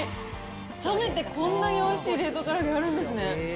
冷めてこんなにおいしい冷凍から揚げあるんですね。